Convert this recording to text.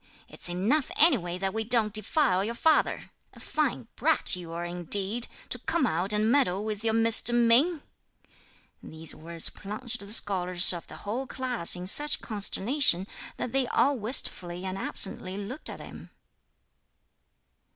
It's enough anyway that we don't defile your father! A fine brat you are indeed, to come out and meddle with your Mr. Ming!" These words plunged the scholars of the whole class in such consternation that they all wistfully and absently looked at him.